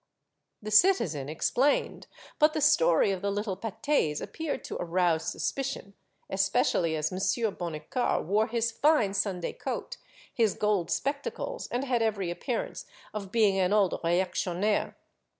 " The citizen explained, but the story of the little pates appeared to arouse suspicion, especially as M. Bonnicar wore his fine Sunday coat, his gold spectacles, and had every appearance of being an old reactionnaire.